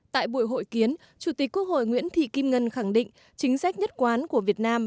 tại buổi hội kiến chủ tịch quốc hội nguyễn thị kim ngân khẳng định chính sách nhất quán của việt nam